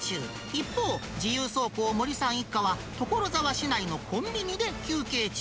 一方、自由走行、森さん一家は、所沢市内のコンビニで休憩中。